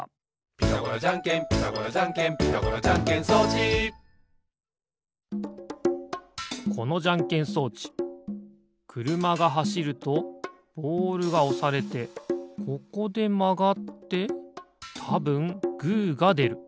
「ピタゴラじゃんけんピタゴラじゃんけん」「ピタゴラじゃんけん装置」このじゃんけん装置くるまがはしるとボールがおされてここでまがってたぶんグーがでる。